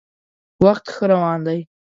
وخت ښه روان دی.